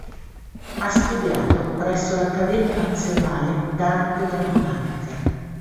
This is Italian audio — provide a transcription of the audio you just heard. Ha studiato presso l'Accademia nazionale d'arte drammatica.